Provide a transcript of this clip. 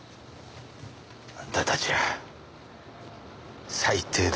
あなたたちは最低だ。